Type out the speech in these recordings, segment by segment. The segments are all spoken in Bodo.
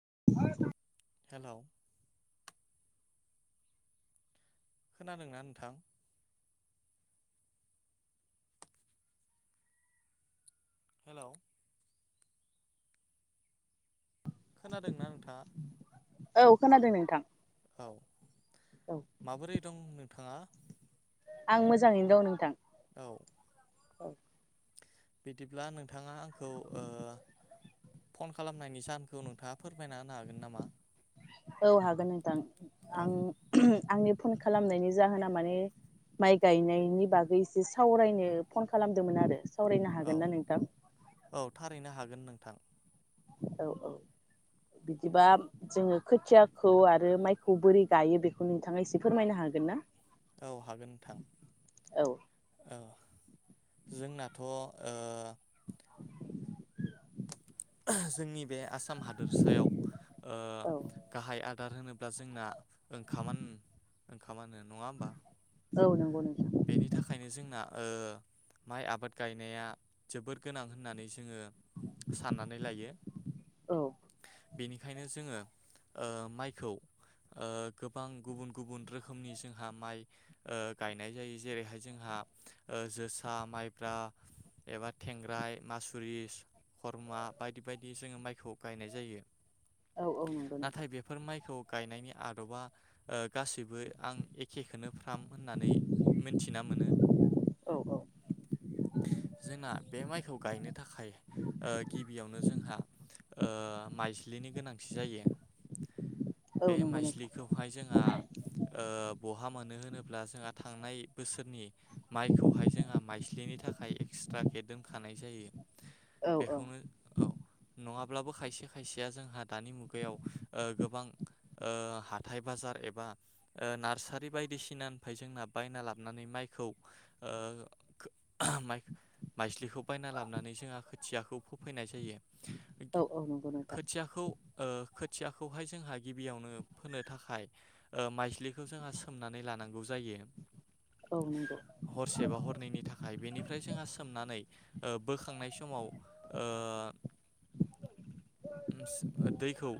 [inaudible] हेलौ खोनादोंना नोंथां हेलौ खोनादोंना नोंथाङा औ खोनादों नोंथां औ माबोरै दं नों नोंथाङा? आं मोजाङैनो दं नोंथां। औ औ बिदिब्ला नोंथाङा आंखौ ओ फन खालामनायनि जाहोनखौ नोंथाङा फोरमायना होनो हागोन नामा? औ हागोन। दां औ आं आंनि फन खालामनायनि जाहोना माने माइ गायनायनि बागै एसे सावरायनो फन खालामदोंमोन आरो। सावरायनो औ हागोनना नोंथां? औ थारैनो हागोन नोंथां। औ ओ बिदिबा जोङो खोथियाखौ आरो माइखौ बोरै गायो बेखौ नोंथाङा एसे फोरमायनो हागोन ना? औ हागोन नोंथां औ औ। जोंनाथ' ओ। जोंनि। बे आसाम हादोरसायाव ओ औ गाहाय आर्दार होनोब्ला जोंना ओंखाम ओंखामानो नङा होमबा? औ नंगौ नंगौ। बेनि थाखायनो जोंना ओ माइ आबाद गायनाया जोबोद गोनां होननानै जोङो। साननानै लायो। औ बेनिखायनो जोङो ओ माइखौ ओ गोबां गुबुन गुबुन रोखोमनि जोंहा माइ ओ गायनो गनाय जायो जेरैहाय जोंहा जोसा माइब्रा एबा थेंग्राय मासुरिस। हरमा बायदि बायदि जोङो माइखौ गायनाय जायो औ औ नंगौ नोंथां नाथाय बेफोर माइखौ गायनायनि आदबा। ओ गासैबो आं एखेखौनो फ्राम होन मिथिना मोनो औ औ जोंना बे माइखौ गायनो। थाखाय ओ गिबियावनो जोंहा ओ माइज्लिनि गोनांथि जायो। बे औ नंगौ नोंथां माइस्लिखौहाय जोंहा ओ। ब'हा मोनो होनोब्ला जोंहा थांनाय बोसोरनि माइखौहाय जोंहा माइस्लिनि थाखाय एक्सट्राके दोनखानाय जायो। औ औ बेखौनो औ। नङाब्लाबो खायसे खायसेया जोंहा दानि मुगायाव ओ गोबां ओ हाथाय बाजार एबा नार्सारि बायदिसिनानिफ्राय जोंना। बायना लाबोनानै माइखौ ओ माइस्लिखौ बायना लाबोनानै जोंहा खोथियाखौ फोफैनाय जायो। औ औ नंगौ नोंथां। खोथियाखौ ओ खोथियाखौहाय जोंहा गिबियावनो फोनो थाखाय ओ माइस्लिखौ जोंहा सोमनानै लानांगौ जायो। औ नंगौ हरसे बा हरनैनि थाखाय बेनिफ्राय जोंहा सोमनानै। ओ बोखांनाय समाव ओ। दैखौ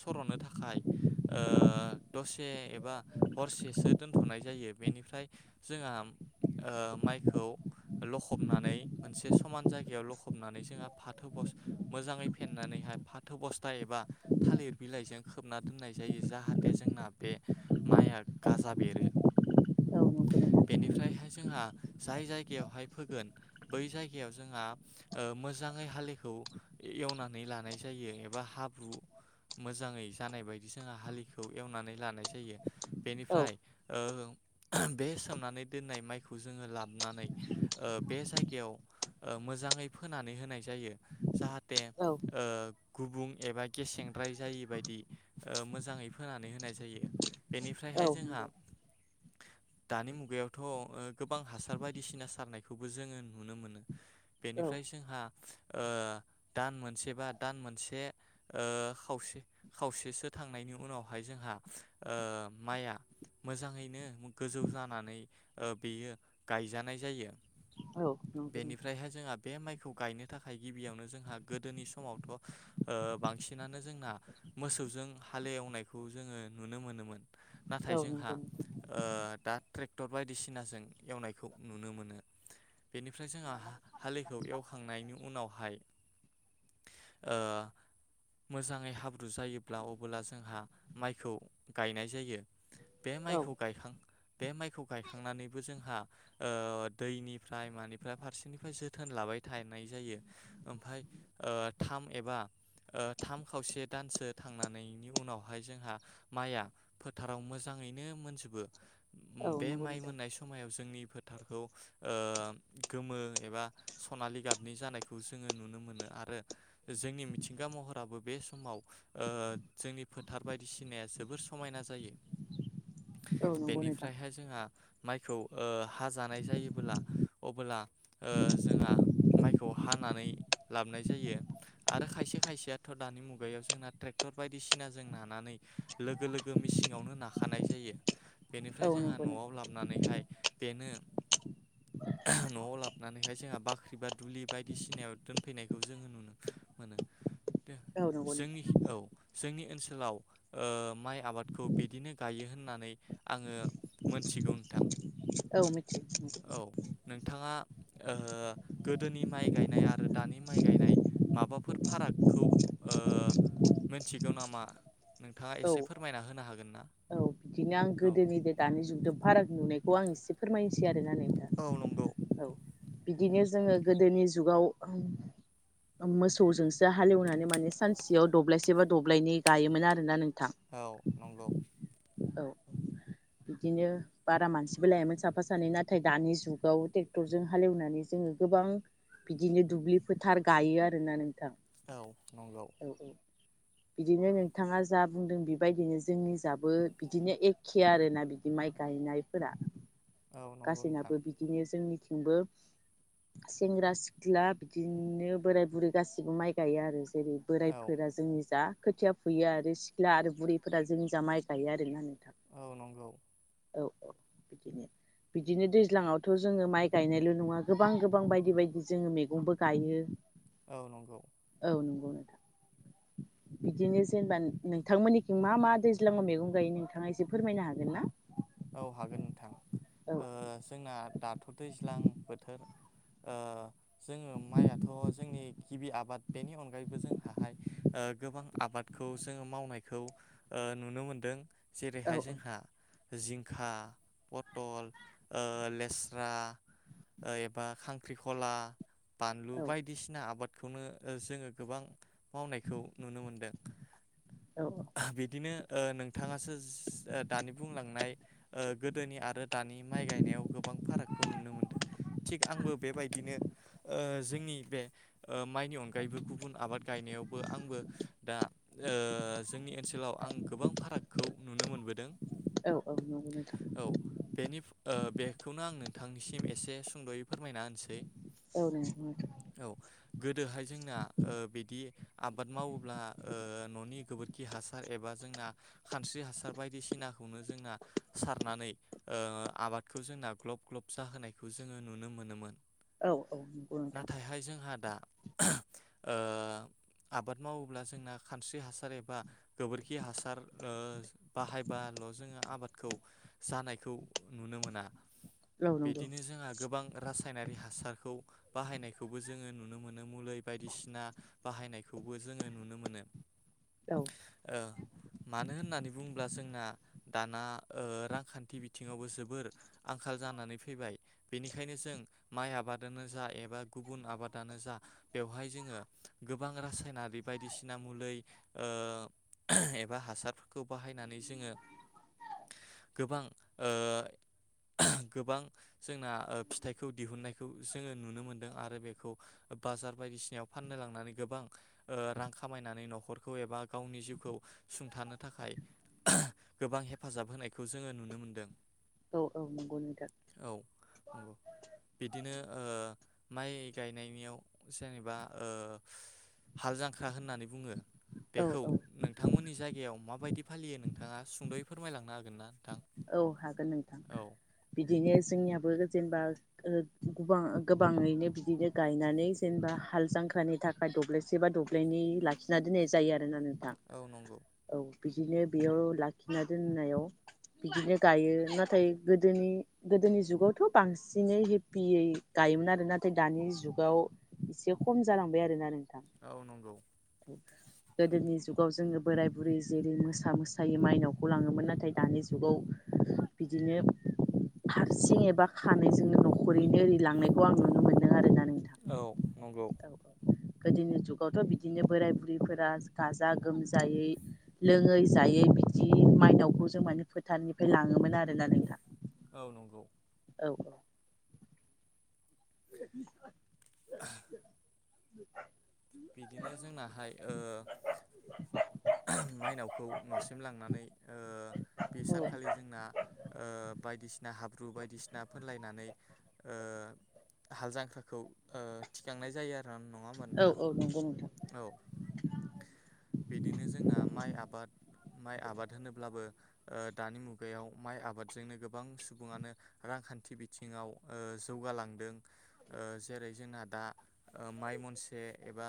सर'नो थाखाय ओ दसे एबा हरसेसो दोनथ'नाय जायो। बेनि ओमफ्राय जोंहा ओ माइखौ लखबनानै मोनसे समान जायगायाव लखबनानै जोंहा फाथो बस्था मोजाङै फेनानैहाय फाथो बस्था एबा थालिर बिलाइजों खोबना दोननाय जायो जाहाथे जोंना बे माइआ गाजा बेरो। औ नंगौ नोंथां बेनिफ्रायहाय जोंहा जाय जायगायावहाय फोगोन बै जायगायाव जोंहा मोजाङै हालिखौ एवनानै लानाय जायो एबा हाब्रु मोजाङै जानाय बायदि जोंहा हालिखौ एवनानै लानाय जायो। औ बेनिफ्राय ओ बे सोमनानै दोननाय माइखौ जोङो लाबोनानै ओ बे जायगायाव ओ मोजाङै फोनानै होनाय जायो जाहाथे थे ओ गुबुं एबा गेसेंद्राय जायि बायदि मोजाङै फोनानै होनाय जायो औ बेनिफ्रायहाय जोंहा नंगौ दानि मुगायावथ' ओ गोबां हासार बायदिसिना सारनायखौबो जोङो नुनो मोनो औ बेनिफ्राय जोंहा ओ दान मोनसे बा दान मोनसे ओ खावसे खावसेसो थांनायनि उनावहाय जोंहा ओ माइआ मोजाङैनो गोजौ जानानै ओ बेयो गायजानाय जायो औ नंगौ नोंथां बेनिफ्रायहाय जोंहा बे माइखौ गायनो थाखाय गिबियावनो जोंहा गोदोनि समावथ' ओ बांसिनानो जोंना मोसौजों हालेवनायखौ जोङो नुनो मोनोमोन नाथाय औ जोंहा नंगौ नोंथां ओ दा ट्रेक्टर बायदिसिनाजों एवनायखौ नुनो मोनो बेनिफ्राय जोंहा हालिखौ एवखांनायनि उनाव हाय ओ मोजाङै हाब्रु जायोब्ला अबोला जोंहा माइखौ गायनाय जायो बे औ माइखौ गायखां बे माइखौ गायखांनानैबो जोंहा ओ दैनिफ्राय मानिफ्राय फारसेनिफ्राय जोथोन लाबाय थानाय जायो ओमफ्राय ओ थाम एबा ओ थाम खावसे दानसो थांनानै उनावहाय जोंहा माइया फोथाराव मोजाङैनो मोनजोबो बो औ बे नंगौ माइ नोंथां मोननाय समायाव जोंनिफोर नंगौ ओ गोमो एबा सनालि गाबनि जानायखौ जोङो नुनो मोनो आरो जोंनि मिथिंगा महराबो बे समाव ओ जोंनि फोथार बायदिसिनाया जोबोर समायना जायो औ नंगौ नोंथां बेनिफ्रायहाय जोंहा माइखौ ओ हाजानाय जायोबोला अबोला ओ जोंहा माइखौ हानानै लाबोनाय जायो आरो खायसे खायसेयाथ' दानि मुगायाव जोंना ट्रेक्टर बायदिसिनाजों लानानै लोगो लोगो मेसिनावनो नाखानाय जायो बेनिफ्राय औ जोंहा नंगौ न'आव नोंथां लाबोनानैहाय बेनो ओहो न'आव लाबनानैहाय जोंहा बाख्रि बा दुलि बायदिसिनायाव दोनफैनायखौ जोङो नुनो मोनो औ नंगौ जोंनि नोंथां औ जोंनि ओनसोलाव ओ माइ आबादखौ बिदिनो गायो होननानै आङो मोनथिगौ नोंथां औ मिथियो औ नोंथाङा ओ गोदोनि माइ गायनाय आरो दानि माइ गायनाय माबाफोर फारागखौ ओ मिथिगौ नामा नोंथाङा औ एसे फोरमायना होनो हागोन [inaudible] औ बिदिनो आं औ गोदोनिद दानि जुदों फाराग नुनायखौ आं एसे। फोरमायनोसै आरोना नोंथां औ नंगौ औ बिदिनो जोङो गोदोनि जुगाव मोसौजोंसो हालेवनानै माने सानसेयाव दब्लायसे बा दब्लायनै गायोमोन आरोना नों औ नंगौ औ बिदिनो बारा मानसिबो लायामोन साफा सानै नाथाय दानि जुगाव ट्रेक्टरजों हालेवनानै जोङो गोबां बिदिनो दुब्लि फोथार गायो आरोना नों औ नंगौ बिदिनो नोंथाङा जा बुंदों बेबायदिनो जोंनि जाबोद बिदिनो एखे आरोना बिदि माइ गायनायफोरा औ नंगौ नोंथां गासैनाबो बिदिनो जोंनि बो सेंग्रा सिख्ला बिदिनो बोराय बुरै गासिबो माइ गायो आरो जेरै औ बोराइफोरा जोंनि जा खोथिया फैयो आरो सिख्ला आरो बुरैफोरा जोंजा माइ गायो आरो दोनानै औ नंगौ। औ औ बिदिनो बिदिनो दैज्लाङावथ' जोङो माइ गायनायल' नङा गोबां गोबां बायदि बायदि जोङो मैगंबो गायो। औ नंगौनो। बिदिनो जेनेबा नोंथांमोननिख मा मा दैज्लाङाव मैगं गायो नोंथाङा एसे फोरमायनो हागोन ना? औ हागोन नोंथां औ ओ जोंना दाथ' दैज्लां बोथोर। ओ जोङो माइयाथ' जोंनि गिबि आबाद बेनि अनगायैबो जोंहाहाय गोबां आबादखौ जोङो मावनायखौ नुनो मोनदों। औ जेरैहाय जोंहा जिंखा पथल ओ लेस्रा एबा खांख्रिखला। बानलु औ बायदिसिना आबाद। खौनो जोङो गोबां। मावनायखौ नुनो मोनदों। औ बिदिनो ओ नोंथाङासो दानि बुंलांनाय। ओ गोदोनि आरो। दानि माइ गायनायाव गोबां फारागखौ नुनो मोन्दों थिग आंबो बेबायदिनो ओ जोंनि बे माइनि अनगायैबो गुबुन आबाद गायनायावबो आंबो दा ओ जोंनि ओनसोलाव आं गोबां फाराग खौ नुनो मोनबोदों। औ औ नगौ नोंथां। औ बेनि ओ बेखौनो आं नोंथांनिसिम एसे सुंद'यै फोरमायना होनसै औ [unintelligible] दोहाय जोंना ओ बिदि आबाद मावोब्ला ओ न'नि गोबोर खि हासार एबा जोंना खानस्रि हासार बायदिसिनाखौनो जोंना सारनानै ओ आबादखौ जोंना ग्लब ग्लब जाहोनायखौ जोङो नुनो मोनोमोन औ औ नंगौ नोंथां नाथायहाय जोंहा दा ओ आबाद मावोब्ला जोंना खानस्रि हासार एबा गोबोरखि हासार ओ बाहायबाल' जोङो आबादखौ जानायखौ नुनो मोना औ नंगौ बिदिनो जोंहा गोबां रासायनारि हा सारखौ बाहायनायखौबो जोङो नुनो मोनो मुलै बायदिसिना बाहायनायखौबो जोङो नुनो मोनो औ ओ मानो होननानै बुंब्ला जोंना दाना ओ रांखान्थि बिथिङावबो जोबोर आंखाल जानानै फैबाय बेनिखायनो जों माइ आबादानो जा‌ एबा गुबुन आबादानो जा बेवहाय जोंङो गोबां रासायनारि बायदिसिना मुलै ओ एबा हासारफोरखौ बाहायनानै जोङो गोबां ओ गोबां जोंना ओ फिथाइखौ दिहुनन्नायखौ जोङो नुनो मोनदों आरो बेखौ बाजार बायदिसिनायाव फाननो लांनानै गोबां ओ रां खामायनानै न'खर खौ एबा गावनि जिउखौ सुंथानो थाखाय गोबां हेफाजाब होनायखौ जोङो नुनो मोनदों। औ औ नंगौ नोंथां। औ नंगौ बिदिनो ओ माइ गायनायनियाव जेनेबा ओ हाल जांख्रा होननानै बुङो औ बेखौ औ नों थांमोननि जायगायाव माबायदि फालियो नोंथाङा सुंद'यै फोरमायलांनो हागोन ना नोंथां? औ हागोन नोंथां। औ बिदिनो जोंनियाबो जेनबा ओ गुबां गोबाङैनो बिदिनो गायनानै जेनेबा हाल जांख्रानि थाखाय दब्लायसे बा दब्लायनै लाखिना दोननाय जायो आरो नानो। औ नंगौ। बिदिनो बेयाव लाखिना दोननायाव बिदिनो गायो नाथाय गोदोनि गोदोनि जुगावथ' बांसिनै हेपियै गायोमोन आरो नाथाय दानि जुगाव एसे खम जालांबाय आरोनानो। औ नंगौ। गोदोनि जुगाव जोङो बोराय बुरै जेरै मोसा मोसायै माइनावखौ लाङोमोन नाथाय दानि जुग जुगाव बिदिनो हारसिं एबा खानायजोंनो न'खरैनो ओरै लांनायखौ आं नुनो मोन्दों आरो ना। औ नंगौ। गोदोनि जुगावथ' बिदिनो बोराय बुरैफोरा गाजा गोमजायै लोङै जायै बिदि माइनावखौ जों माने फोथारनिफ्राय लाङोमोन आरोना नोंथा। औ नंगौ। औ औ। [inaudible] [inaudible] [inaudible] बिदिनो जोंनाहाय ओ माइनावखौ न'सिम लांनानै ओ बे औ सानखालि जोंना ओ बायदिसिना हाब्रु बायदिसिना फोनलायनानै ओ हाल जांख्राखौ ओ थिखांनाय जायो आ थां नङा होनबा औ नोंथां? औ नंगौ नोंथां। औ बिदिनो जोंना माइ आबाद माइ आबाद होनोब्लाबो ओ दानि मुगायाव माइ आबादजोंनो गोबां सुबुङानो रांखान्थि बिथिङाव ओ जौगालांदों ओ जेरै जोंना दा ओ माइ मनसे एबा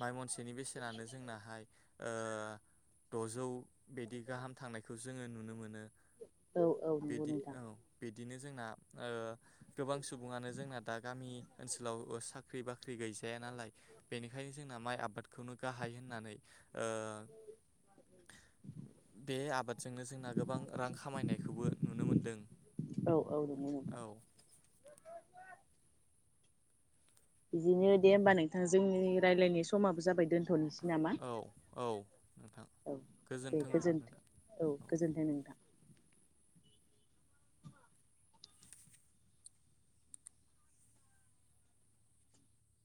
माइ मनसेनि बेसेन बेसेनानो जोंनाहाय ओ दजौ बिदि गाहाम थांनायखौ जोङो नुनो मोनो औ औ नंगौ बिदि नोंथां औ बि बिदिनो जोंना ओ गोबां सुबुङानो जोंना दा गामि ओनसोलाव ओ साख्रि बाख्रि गै जाया नालाय बेनिखायनो जों ना माय आबाद खौनो गाहाइ होननानै ओ बे आबादजोंनो जोंना गोबां रां खामायनायखौबो नुनो मोनदों औ औ नंगौ नोंथां औ। बिदिनो दे होमबा नोंथां जोंनि रायलायनाय समाबो जाबाय दोनथ' थ'निसै नामा? औ औ नोंथां औ दे गोजोन्थों औ गोजोन्थों नोंथां।